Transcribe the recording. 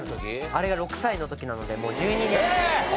あれが６歳の時なのでもう１２年。